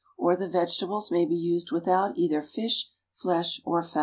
Or the vegetables may be used without either fish, flesh or fowl.